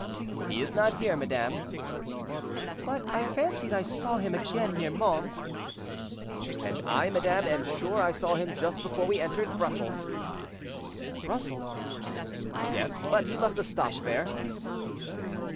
"He is not here, madame." "But I fancied I saw him again near Mons." "And I, madame, am sure I saw him just before we entered Brussels." "Brussels?" "Yes; but he must have stopped there."